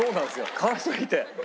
辛すぎて。